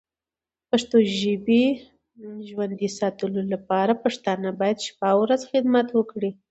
پښتو ژبی ژوندی ساتلو لپاره پښتانه باید شپه او ورځ خدمت وکړې.